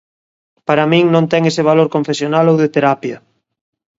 Para min non ten ese valor confesional ou de terapia.